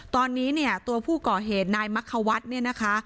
ตอนนี้ตัวผู้ก่อเหตุนายมรรควัตรเนี่ยนะคะ